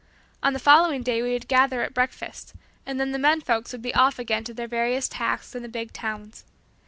On the following day we would gather at breakfast, and then the men folks would be off again to their various tasks in the big towns.